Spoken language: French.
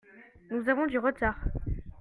Nous avons du retard.